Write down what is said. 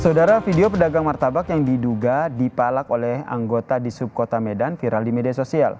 saudara video pedagang martabak yang diduga dipalak oleh anggota di subkota medan viral di media sosial